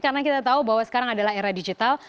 karena kita tahu bahwa sekarang adalah era digital